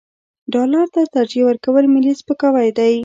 ډالر ته ترجیح ورکول ملي سپکاوی دی.